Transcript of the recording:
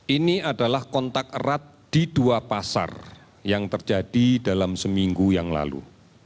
ini adalah kontak erat di dua pasar yang terjadi dalam seminggu yang lalu